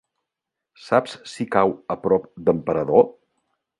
Saps si cau a prop d'Emperador?